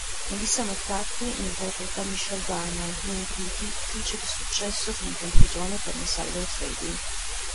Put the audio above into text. Melissa McCarthy interpreta Michelle Darnell, un'imprenditrice di successo finita in prigione per insider trading.